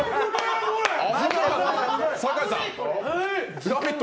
酒井さん、「ラヴィット！」